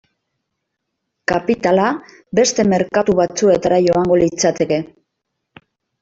Kapitala beste merkatu batzuetara joango litzateke.